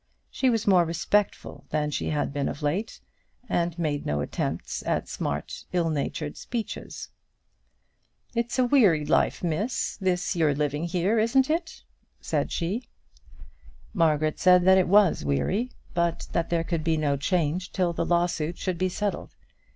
She was more respectful than she had been of late, and made no attempts at smart, ill natured speeches. "It's a weary life, Miss, this you're living here, isn't it?" said she. Margaret said that it was weary, but that there could be no change till the lawsuit should be settled.